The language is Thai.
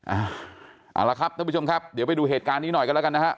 เอาละครับท่านผู้ชมครับเดี๋ยวไปดูเหตุการณ์นี้หน่อยกันแล้วกันนะฮะ